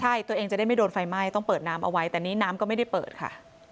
ใช่ตัวเองจะได้ไม่โดนไฟไหม้ต้องเปิดน้ำเอาไว้แต่นี้น้ำก็ไม่ได้เปิดค่ะ